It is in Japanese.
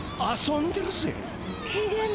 あ遊んでるぜ。